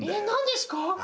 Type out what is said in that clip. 何ですか？